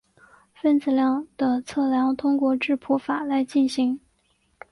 分子量的测量通过质谱法来进行。